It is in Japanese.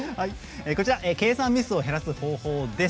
「計算ミスを減らす方法」です。